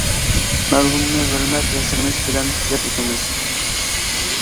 مەرھۇمنى ھۆرمەت ۋە سېغىنىش بىلەن ياد ئېتىمىز.